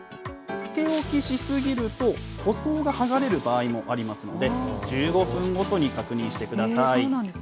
つけ置きし過ぎると、塗装がはがれる場合もありますので、１５分ごとに確認してください。